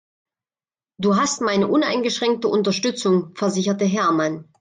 Du hast meine uneingeschränkte Unterstützung, versicherte Hermann.